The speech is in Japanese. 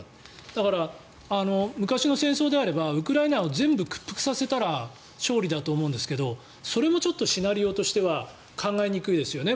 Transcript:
だから、昔の戦争であればウクライナを全部屈服させたら勝利だと思うんですけどそれもちょっとシナリオとしては考えにくいですよね。